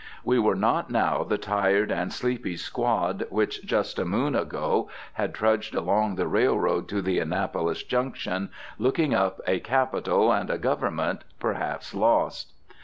We were not now the tired and sleepy squad which just a moon ago had trudged along the railroad to the Annapolis Junction, looking up a Capital and a Government, perhaps lost.